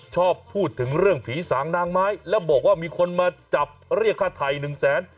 ชอบพูดถึงเรื่องผีสางนางไม้แล้วบอกว่ามีคนมาจับเรียกค่าไถ่หนึ่งแสน